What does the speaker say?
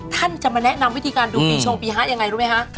ท่านจะมาแนะนำวิธีการดูปีชงปีฮะยังไงรู้ไหมคะ